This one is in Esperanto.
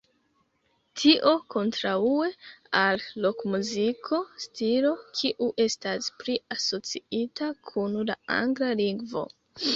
Tio kontraŭe al rokmuziko, stilo kiu estas pli asociita kun la angla lingvo.